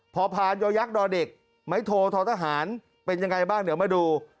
พอพานยอยักษ์ดอเด็กไม้โททหารเป็นยังไงบ้างเดี๋ยวมาดู